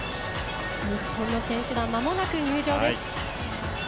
日本の選手団、まもなく入場です。